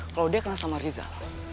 kalau dia kenal sama rizal